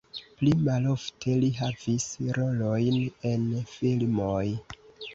Pli malofte li havis rolojn en filmoj.